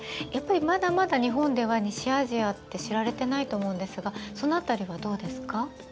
やっぱりまだまだ日本では西アジアって知られてないと思うんですがその辺りはどうですか？